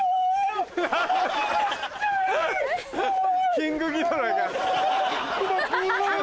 キングギドラが。